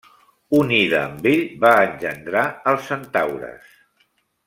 Unida amb ell va engendrar els centaures.